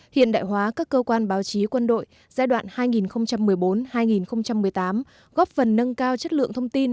hiện đại hóa các cơ quan báo chí quân đội giai đoạn hai nghìn một mươi bốn hai nghìn một mươi tám góp phần nâng cao chất lượng thông tin